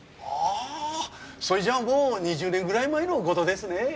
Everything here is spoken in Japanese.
ああそれじゃもう２０年ぐらい前の事ですね。